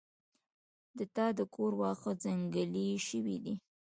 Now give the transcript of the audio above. د تا د کور واښه ځنګلي شوي دي